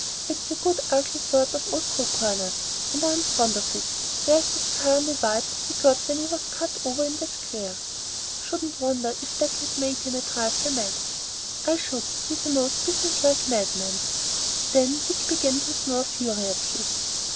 "It's a good ugly sort of old cocoanut, and I'm fond of it. There's the scar of the wipe he got when he was cut over in the square." "Shouldn't wonder if that has made him a trifle mad." "I should. He's a most businesslike madman." Then Dick began to snore furiously.